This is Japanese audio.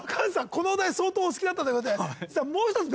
このお題相当お好きだったということで。